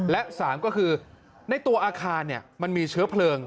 และ๓ก็คือในตัวอาคารมันมีเชื้อเพลิง